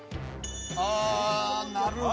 ああなるほど。